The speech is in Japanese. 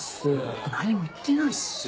僕何にも言ってないっすよ。